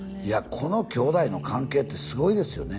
この兄弟の関係ってすごいですよね